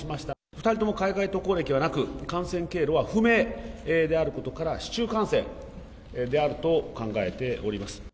２人とも海外渡航歴はなく、感染経路は不明であることから、市中感染であると考えております。